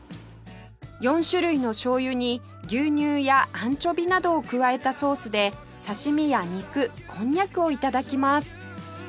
４種類の醤油に牛乳やアンチョビなどを加えたソースで刺し身や肉こんにゃくを頂きます